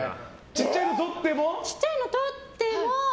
ちっちゃいのとっても？